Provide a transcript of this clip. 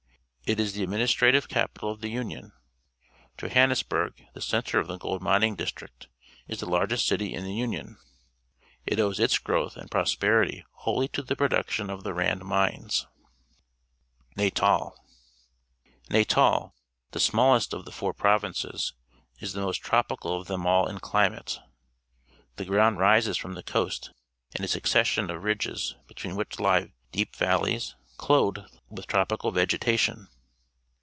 It is the adniinistrative capital of the Union. Johanncsbinri, t}\ (i cpntrp of the gol d mi ning district, is the Iar;j;f' t city in the Union. Tt owes its {irowtli .■md ]>nisi)erity wholly to the production of the Rand mines. A Pineapple Plantation, Natal ■\ Natal. — Xatal^ the smallest of the four provinces, is the most tr opica l of them all in climate. The ground rises from t he co ast in a su^cessioir of _jidges». between wliich lie deep valleys, clothed with tr opical vegeta tiaa.